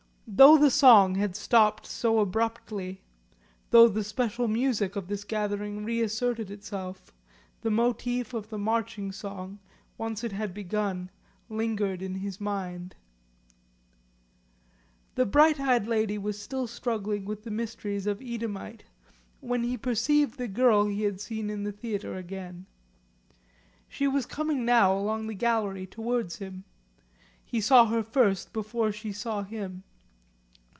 Though the song had stopped so abruptly, though the special music of this gathering reasserted itself, the motif of the marching song, once it had begun, lingered in his mind. The bright eyed lady was still struggling with the mysteries of Eadhamite when he perceived the girl he had seen in the theatre again. She was coming now along the gallery towards him; he saw her first before she saw him.